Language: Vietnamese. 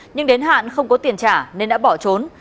nhưng đến hạn không có tiền trả nên đã bỏ trốn